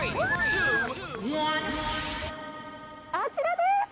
あちらです。